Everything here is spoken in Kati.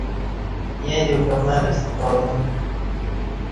ییں دیوکہ مرہ ستہ قانون